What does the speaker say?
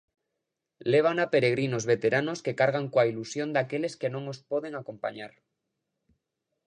Lévana peregrinos veteranos que cargan coa ilusión daqueles que non os poden acompañar.